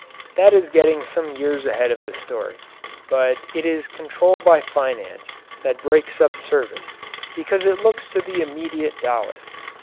That is getting some years ahead of the story, but it is control by finance that breaks up service because it looks to the immediate dollar.